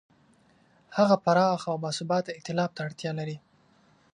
هغه پراخ او باثباته ایتلاف ته اړتیا لري.